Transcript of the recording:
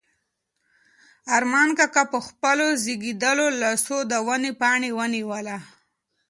ارمان کاکا په خپلو رېږدېدلو لاسو د ونې پاڼه ونیوله.